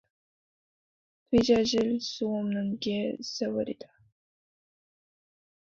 되찾을 수 없는 게 세월이다.